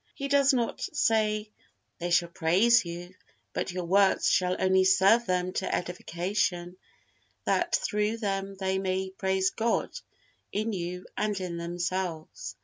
He does not say, "they shall praise you," but "your works shall only serve them to edification, that through them they may praise God in you and in themselves."